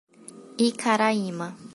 Icaraíma